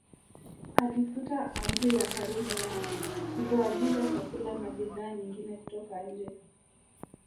Alifuta Amri ya Karume ya kutoagiza chakula na bidhaa nyingine kutoka nje